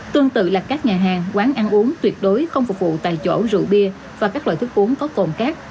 tương tự là các nhà hàng quán ăn uống tuyệt đối không phục vụ tại chỗ rượu bia và các loại thức uống có cồn cát